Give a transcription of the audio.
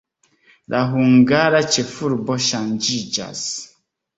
La hungara ĉefurbo ŝanĝiĝas.